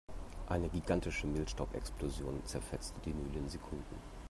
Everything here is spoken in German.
Eine gigantische Mehlstaubexplosion zerfetzte die Mühle in Sekunden.